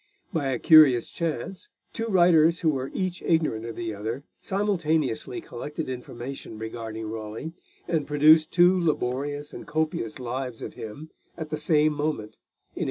By a curious chance, two writers who were each ignorant of the other simultaneously collected information regarding Raleigh, and produced two laborious and copious Lives of him, at the same moment, in 1868.